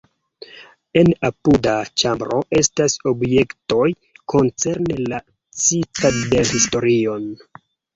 En apuda ĉambro estas objektoj koncerne la citadelhistorion.